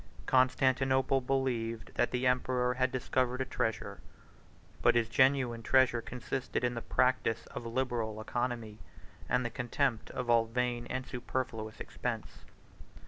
Constantinople believed that the emperor had discovered a treasure: but his genuine treasure consisted in the practice of liberal economy, and the contempt of all vain and superfluous expense.